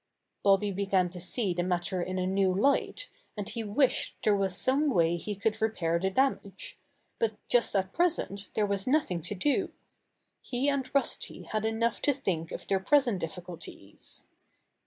Bobby began to see the matter in a new light, and he wished there was some way he could repair the damage. But just at pres ent there was nothing to do. He and Rusty had enough to think of their present difficul ties.